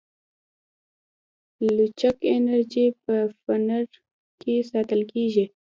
لچک انرژي په فنر کې ساتل کېږي.